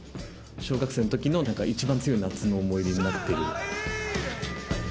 小学生のときの一番強い夏の思い出になっている。